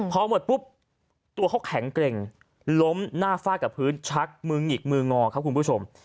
พอหมดปุ๊บตัวเขาแข็งเกร็งล้มหน้าฟาดกับพื้นชักมือหงิกมืองอครับคุณผู้ชม